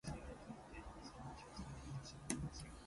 Both the old and the new notes are accepted.